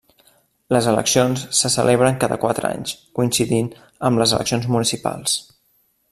Les eleccions se celebren cada quatre anys, coincidint amb les eleccions municipals.